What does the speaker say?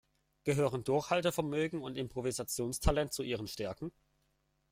Gehören Durchhaltevermögen und Improvisationstalent zu Ihren Stärken?